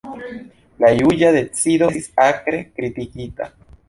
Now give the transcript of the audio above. La juĝa decido estis akre kritikita.